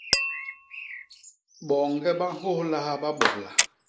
Boñge ba nhôhlaha babobla.